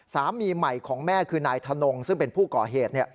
สามีใหม่ของแม่คือนายทนงซึ่งเป็นผู้ก่อเหตุ